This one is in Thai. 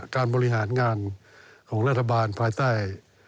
การบริหารงานของรัฐบาลภายใต้